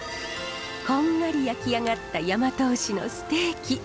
こんがり焼き上がった大和牛のステーキ。